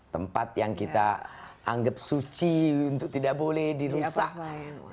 tempat yang kita anggap suci untuk tidak boleh dirusak